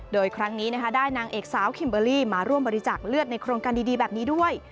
โดยครั้งนี้นะคะได้นางเอกสาวคิมเบอร์รี่มาร่วมบริจาคเลือดในโครงการดีแบบนี้ด้วย